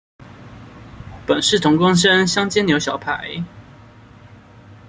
本是同根生，香煎牛小排